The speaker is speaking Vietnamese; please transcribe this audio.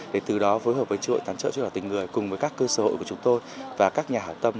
để từ đó phối hợp với chủ hội tán trợ chủ tịch tình người cùng với các cơ sở hội của chúng tôi và các nhà hảo tâm